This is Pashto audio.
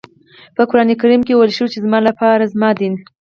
په قرآن کریم کې ويل شوي زما لپاره زما دین.